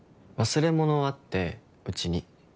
忘れ物あって、うちに。